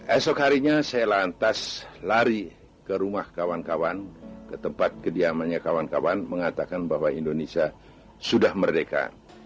esok harinya saya lantas lari ke rumah kawan kawan ke tempat kediamannya kawan kawan mengatakan bahwa indonesia sudah merdeka